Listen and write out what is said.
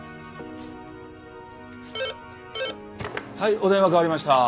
☎はい。お電話代わりました